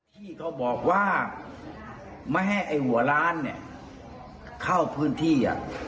ที่เขาบอกว่าไม่ให้ไอ้หัวล้านเนี่ยเข้าพื้นที่